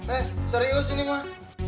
eh serius ini mah